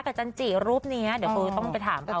กับจันทร์จีรูปนี้เดี๋ยวคือผู้นั้นไปถามเค้า